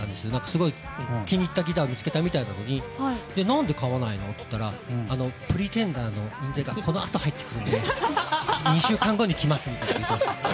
すごい気に入ったギターを見つけたみたいなのに何で買わないの？って聞いたら「Ｐｒｅｔｅｎｄｅｒ」の印税がこのあと入ってくるので２週間後にきますんでって。